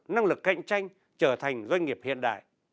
năng lực cạnh tranh trở thành doanh nghiệp hiện đại